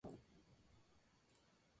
El arroyo desemboca en el Manzanares.